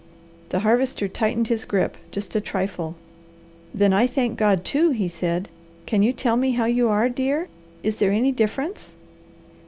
The Harvester tightened his grip just a trifle. "Then I thank God, too," he said. "Can you tell me how you are, dear? Is there any difference?"